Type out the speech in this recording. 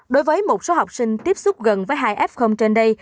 đối với một số học sinh tiếp xúc gần với hai f trên đây